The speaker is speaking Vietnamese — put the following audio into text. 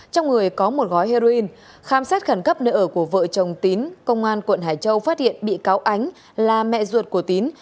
trong người có một gói heroin khám xét khẩn cấp nơi ở của vợ chồng tín công an quận hải châu phát hiện bị cáo ánh là mẹ ruột của tín